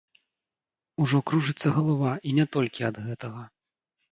Ужо кружыцца галава і не толькі ад гэтага.